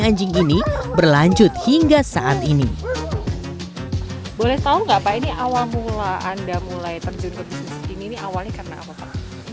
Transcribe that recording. anjing ini berlanjut hingga saat ini boleh tahu enggak pak ini awal mula anda mulai terjun